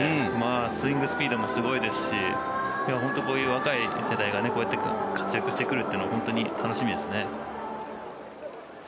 スイングスピードもすごいですし本当にこういう若い世代がこうやって活躍してくれるというのは本当に楽しみですね。